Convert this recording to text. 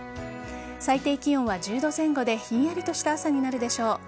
最低気温は１０度前後でひんやりとした朝になるでしょう。